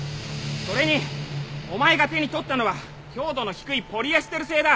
それにお前が手に取ったのは強度の低いポリエステル製だ。